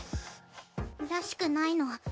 らしくないの。